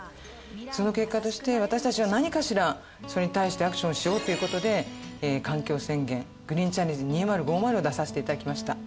その結果として私たちは何かしらそれに対してアクションしようという事で環境宣言「ＧＲＥＥＮＣＨＡＬＬＥＮＧＥ２０５０」を出させて頂きました。